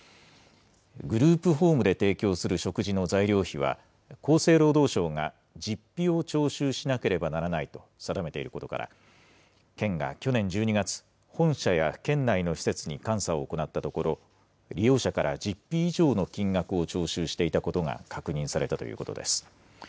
グループホームで提供する食事の材料費は、厚生労働省が実費を徴収しなければならないと定めていることから、県が去年１２月、本社や県内の施設に監査を行ったところ、利用者から実費以上の金額を徴収していたことが確認されたということです。